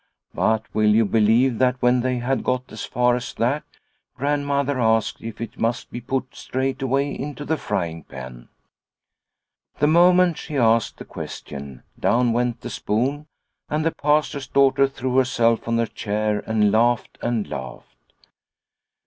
But will you believe that when they had got as far as that Grandmother asked if it must be put straightway into the frying pan ! The moment she asked the question, down went the spoon, and the Pastor's daughter threw herself on a chair and laughed and laughed.